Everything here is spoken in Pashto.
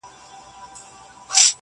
ورته اور كلى، مالت، كور او وطن سي؛